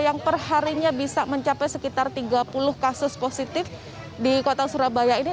yang perharinya bisa mencapai sekitar tiga puluh kasus positif di kota surabaya ini